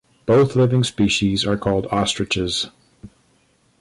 Both living species are called ostriches.